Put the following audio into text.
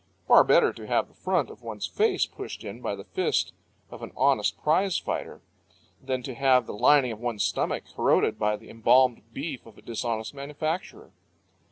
Far better to have the front of one's face pushed in by the fist of an honest prize fighter than to have the lining of one's stomach corroded by the embalmed beef of a dishonest manufacturer.